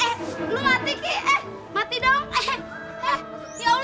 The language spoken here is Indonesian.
eh lo mati kik eh mati dong eh eh ya allah jangan mati